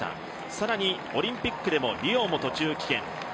更にオリンピックでもリオも途中棄権。